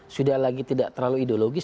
sudah lagi tidak terlalu ideologis